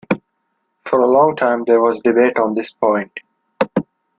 For a long time there was debate on this point.